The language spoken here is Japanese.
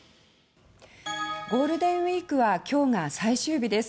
ゴールデンウィークは今日が最終日です。